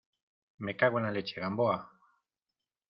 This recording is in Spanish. me cago en la leche... ¡ Gamboa!